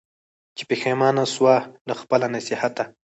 چي پښېمانه سوه له خپله نصیحته